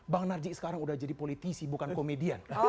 bang narjik sekarang udah jadi politisi bukan komedian